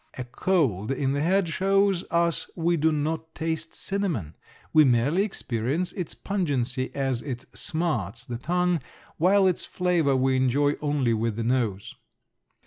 A cold in the head shows us we do not taste cinnamon, we merely experience its pungency as it smarts the tongue while its flavor we enjoy only with the nose.